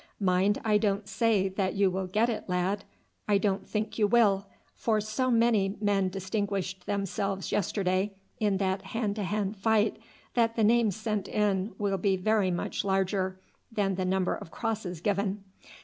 Mind, I don't say that you will get it, lad, I don't think you will; for so many men distinguished themselves yesterday in that hand to hand fight that the names sent in will be very much larger than the number of crosses given.